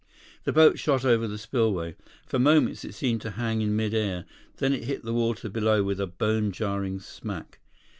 The boat shot over the spillway. For moments, it seemed to hang in mid air. Then it hit the water below with a bone jarring smack.